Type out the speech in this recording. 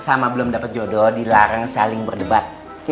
sama belum dapat jodoh dilarang saling berdebat